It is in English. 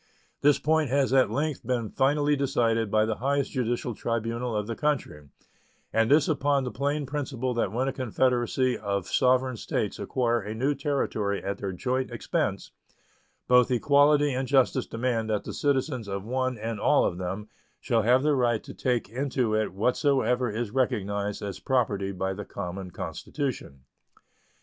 This point has at length been finally decided by the highest judicial tribunal of the country, and this upon the plain principle that when a confederacy of sovereign States acquire a new territory at their joint expense both equality and justice demand that the citizens of one and all of them shall have the right to take into it whatsoever is recognized as property by the common Constitution.